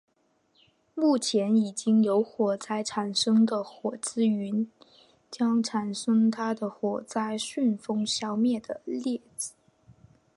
目前已经有火灾产生的火积云将产生它的火灾旋风消灭的例子。